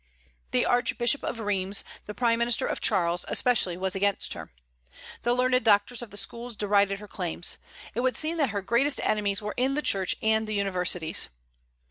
The Archbishop of Rheims, the prime minister of Charles, especially was against her. The learned doctors of the schools derided her claims. It would seem that her greatest enemies were in the Church and the universities.